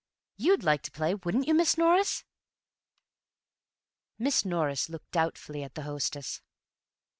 "You'd like to play, wouldn't you, Miss Norris?" Miss Norris looked doubtfully at the hostess.